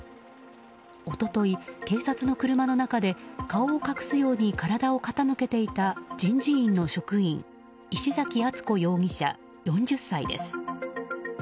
一昨日、警察の車の中で顔を隠すように体を傾けていた人事院の職員石崎敦子容疑者、４０歳です。